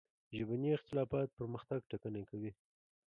ژبني اختلافات پرمختګ ټکنی کوي.